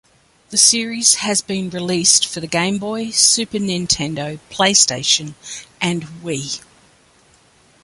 The series has been released for the Game Boy, Super Nintendo, PlayStation, and Wii.